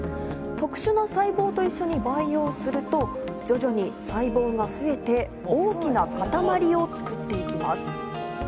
特殊な細胞と一緒に培養すると徐々に細胞が増えて大きな塊を作っていきます。